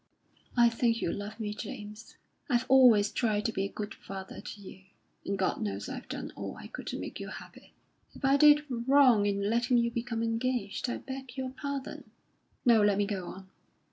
"I think you love me, James. I've always tried to be a good father to you; and God knows I've done all I could to make you happy. If I did wrong in letting you become engaged, I beg your pardon. No; let me go on."